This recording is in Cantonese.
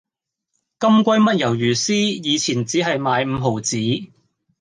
金龜嘜魷魚絲以前只係買五毫子